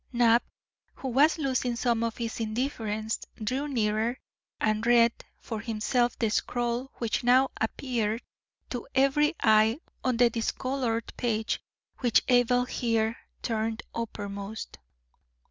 Knapp, who was losing some of his indifference, drew nearer and read for himself the scrawl which now appeared to every eye on the discoloured page which Abel here turned uppermost.